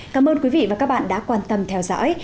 cảm ơn quý vị và các bạn đã quan tâm theo dõi